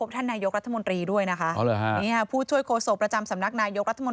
แล้วก็ตัวน้อยคนสุดชายก็กระเด็น